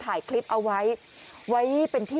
อำเภอไซน้อยจังหวัดนนทบุรี